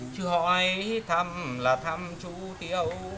chứ hỏi thăm là thăm chú tiêu